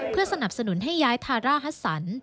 เพื่อสนับสนุนให้ย้ายทาร่าฮัสสัน